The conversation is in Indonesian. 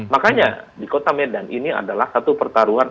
makanya di kota medan ini adalah satu pertaruhan